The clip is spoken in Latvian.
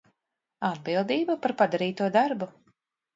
Atbildība par padarīto darbu